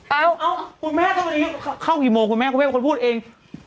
เอาคุณแม่ทำไมเข้ากี่โมงคุณแม่คุณแม่เป็นคนพูดเอง